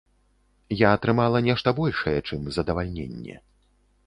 Я атрымала нешта большае, чым задавальненне.